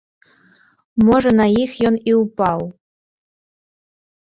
Можа, на іх ён і ўпаў.